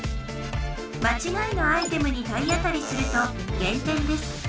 まちがいのアイテムに体当たりするとげん点です。